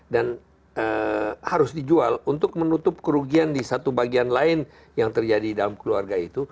dan harus dijual untuk menutup kerugian di satu bagian lain yang terjadi dalam keluarga itu